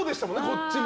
こっちも。